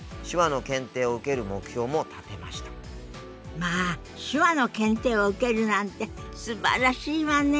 まあ手話の検定を受けるなんてすばらしいわね。